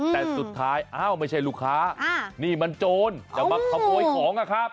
แต่สุดท้ายอ้าวไม่ใช่ลูกค้านี่มันโจรจะมาขโมยของนะครับ